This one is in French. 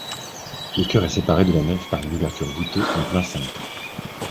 Le chœur est séparé de la nef par une ouverture voûtée en plein cintre.